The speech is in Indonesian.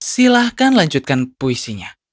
silahkan lanjutkan puisinya